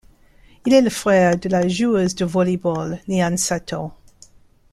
Il est le frère de la joueuse de volley-ball Liane Sato.